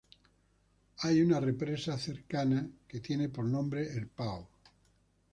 Hay una represa cercana que tiene por nombre "El Pao".